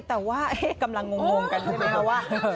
แต่ว่ากำลังงงกันใช่ไหมคะว่า